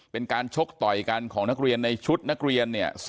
เป็นการชกต่อยกันของนักเรียนในชุดนักเรียนเนี่ย